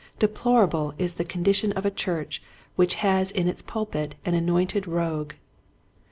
Deplorable is the condition of a church which has in its pul pit an anointed rogue.